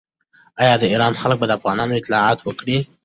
آیا د ایران خلک به د افغانانو اطاعت وکړي؟